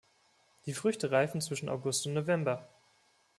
Die Früchte reifen zwischen August und November.